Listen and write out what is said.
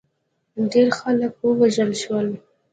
ډېر خلک ووژل شول.